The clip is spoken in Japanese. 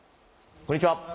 こんにちは。